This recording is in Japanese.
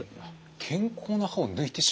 健康な歯を抜いてしまう。